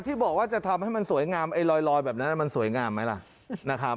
ที่บอกว่าจะทำให้มันสวยงามไอ้ลอยแบบนั้นมันสวยงามไหมล่ะนะครับ